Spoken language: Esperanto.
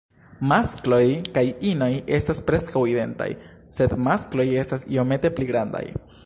Maskloj kaj inoj estas preskaŭ identaj; sed maskloj estas iomete pli grandaj.